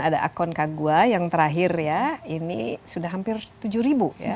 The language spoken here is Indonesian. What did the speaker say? ada akon kagua yang terakhir ya ini sudah hampir tujuh ribu ya